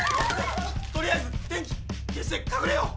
取りあえず電気消して隠れよう。